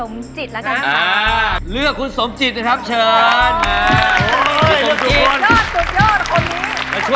อันนี้เราจะเลือกแล้วเลือกใช้ไปแล้ว